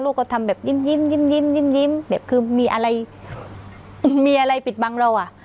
ก็ทำแบบยิ้มแบบคือมีอะไรมีอะไรปิดบังเราอ่ะ